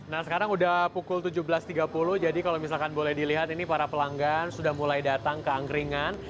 nah sekarang sudah pukul tujuh belas tiga puluh jadi kalau misalkan boleh dilihat ini para pelanggan sudah mulai datang ke angkringan